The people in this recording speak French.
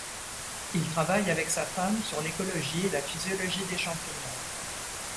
Il travaille, avec sa femme, sur l’écologie et la physiologie des champignons.